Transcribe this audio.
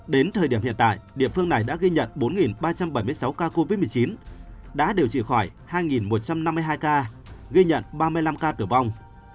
đến thời điểm hiện tại địa phương này đã ghi nhận bốn ba trăm bảy mươi sáu ca covid một mươi chín đã điều trị khỏi hai một trăm năm mươi hai ca ghi nhận ba mươi năm ca tử vong